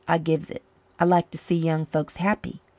I gives it. I like to see young folks happy.